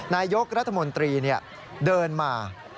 นายกรัฐมนตรีเดินมา